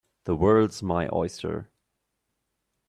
The world's my oyster